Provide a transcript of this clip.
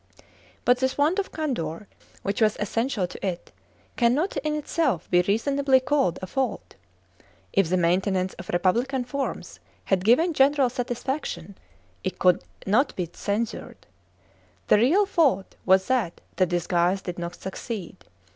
But this want of candour, which was essential to it, cannot in itself be reasonably called a fault. If the maintenance of republican forms had given general satisfaction, it could not be censured. The real fault WHS that the disguise did not succeed.